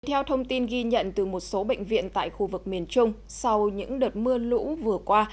theo thông tin ghi nhận từ một số bệnh viện tại khu vực miền trung sau những đợt mưa lũ vừa qua